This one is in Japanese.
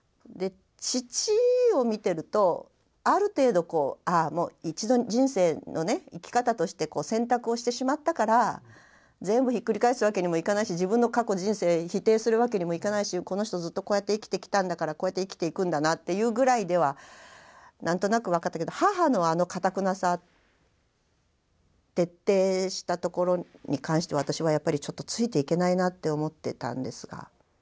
父を見てるとある程度こうああ一度人生の生き方として選択をしてしまったから全部ひっくり返すわけにもいかないし自分の過去人生否定するわけにもいかないしこの人ずっとこうやって生きてきたんだからこうやって生きていくんだなっていうぐらいでは何となく分かったけど母のあのかたくなさ徹底したところに関しては私はやっぱりちょっとついていけないなって思ってたんですが。